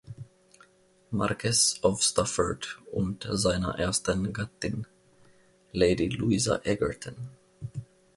Marquess of Stafford, und seiner ersten Gattin Lady Louisa Egerton.